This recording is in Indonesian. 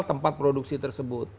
di tempat tempat produksi tersebut